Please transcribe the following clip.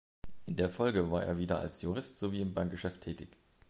In der Folge war er wieder als Jurist sowie im Bankgeschäft tätig.